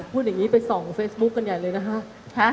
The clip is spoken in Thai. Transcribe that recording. พูดอย่างนี้ไปส่องเฟซบุ๊คกันใหญ่เลยนะฮะ